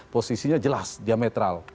posisinya jelas diametral